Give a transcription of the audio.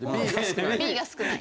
「Ｂが“少ない”」。